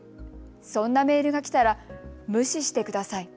そんなメールが来たら無視してください。